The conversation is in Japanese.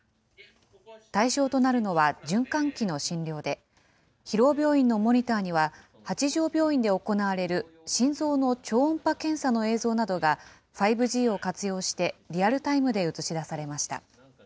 対象となるのは循環器の診療で、広尾病院のモニターには、八丈病院で行われる心臓の超音波検査の映像などが５Ｇを活用してリアルタイムで映し出されました。